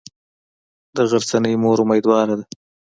د غرڅنۍ مور امیدواره ده.